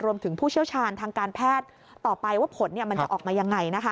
ผู้เชี่ยวชาญทางการแพทย์ต่อไปว่าผลมันจะออกมายังไงนะคะ